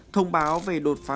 thông báo về đột phá này